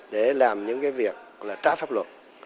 để làm những việc trả pháp luật